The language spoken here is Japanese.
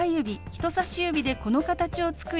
人さし指でこの形を作り